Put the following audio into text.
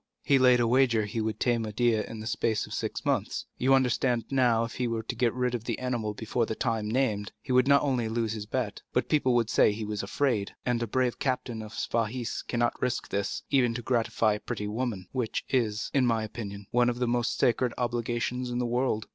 "He laid a wager he would tame Médéah in the space of six months. You understand now that if he were to get rid of the animal before the time named, he would not only lose his bet, but people would say he was afraid; and a brave captain of Spahis cannot risk this, even to gratify a pretty woman, which is, in my opinion, one of the most sacred obligations in the world."